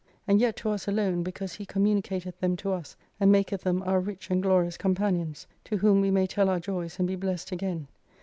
And yet to us alone, because He communicateth them to us, and maketh them our rich and glorious companions : to whom we may tell our joys, and be blessed again.